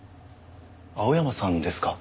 青山さんですか？